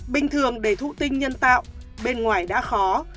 bình thường để thụ tinh nhân tạo bên ngoài đã khó